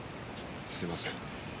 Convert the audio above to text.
すみません。